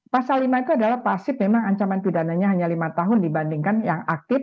pasal lima itu adalah pasif memang ancaman pidananya hanya lima tahun dibandingkan yang aktif